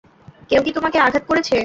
কেউ কী তোমাকে আঘাত করেছে?